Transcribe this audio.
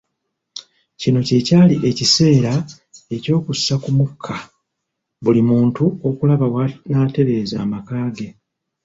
Kino kye kyali ekiseera eky'okussa ku mukka buli muntu okulaba w'anaatereeza amaka ge.